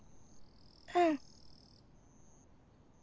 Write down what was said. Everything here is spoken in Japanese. うん。